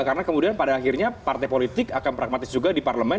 karena kemudian pada akhirnya partai politik akan pragmatis juga di parlemen